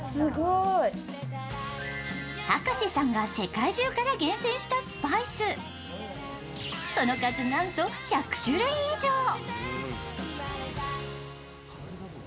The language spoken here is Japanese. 博士さんが世界中から厳選したスパイスその数なんと１００種類以上。